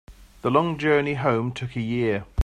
The long journey home took a year.